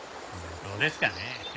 どうですかね？